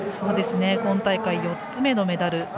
今大会４つ目のメダル。